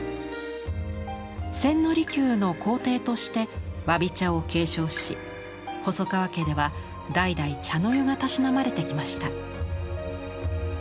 千利休の高弟としてわび茶を継承し細川家では代々茶の湯がたしなまれてきました。